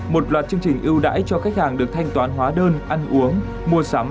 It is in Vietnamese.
một loạt chương trình ưu đãi cho khách hàng được thanh toán hóa đơn ăn uống mua sắm